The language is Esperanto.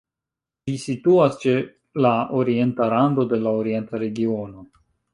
Ĝi situas ĉe la orienta rando de la Orienta Regiono.